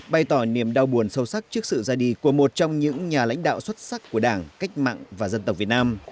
bày tỏ niềm đau buồn sâu sắc trước sự ra đi của một trong những nhà lãnh đạo xuất sắc của đảng cách mạng và dân tộc việt nam